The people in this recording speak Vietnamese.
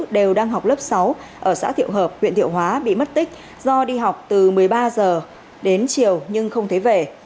đều đang học lớp sáu ở xã thiệu hợp huyện thiệu hóa bị mất tích do đi học từ một mươi ba h đến chiều nhưng không thấy về